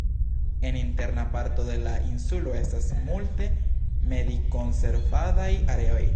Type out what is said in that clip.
En interna parto de la insulo estas multe medikonservadaj areoj.